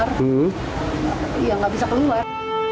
ya nggak bisa keluar